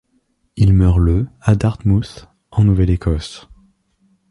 Il meurt le à Dartmouth, en Nouvelle-Écosse.